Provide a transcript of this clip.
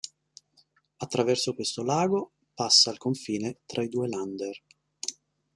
Attraverso questo lago passa il confine fra i due "länder".